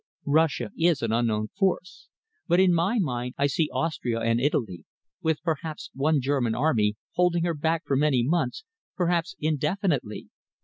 Russia is an unknown force, but in my mind I see Austria and Italy, with perhaps one German army, holding her back for many months, perhaps indefinitely.